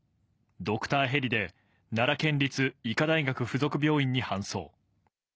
ドクターヘリで奈良県立医科大学附属病院に搬送。